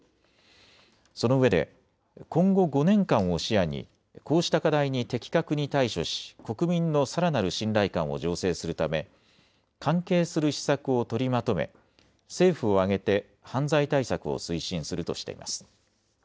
そのうえで今後５年間を視野にこうした課題に的確に対処し国民のさらなる信頼感を醸成するため関係する施策を取りまとめ政府を挙げて犯罪対策を推進するとしています。